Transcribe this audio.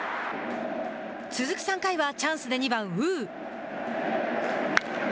続く３回は、チャンスで２番呉。